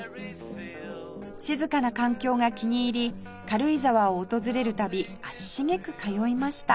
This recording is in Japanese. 静かな環境が気に入り軽井沢を訪れる度足しげく通いました